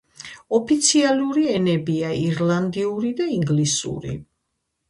ოფიციალური ენებია ირლანდიური და ინგლისური.